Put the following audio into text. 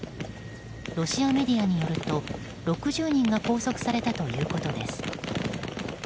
ロシアメディアによると６０人が拘束されたということです。